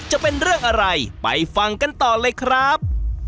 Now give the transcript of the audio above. จะเป็นเรื่องอะไรไปฟังกันต่อเลยครับ